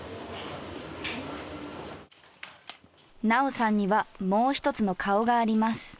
菜桜さんにはもう一つの顔があります。